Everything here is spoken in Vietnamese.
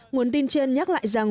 nguồn tin trên nhắc lại rằng